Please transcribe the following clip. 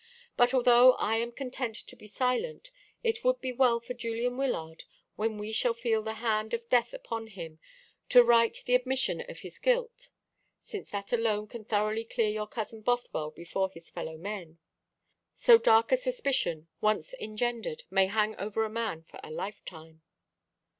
But although I am content to be silent, it would be well for Julian Wyllard, when he shall feel the hand of death upon him, to write the admission of his guilt; since that alone can thoroughly clear your cousin Bothwell before his fellow men. So dark a suspicion once engendered may hang over a man for a lifetime."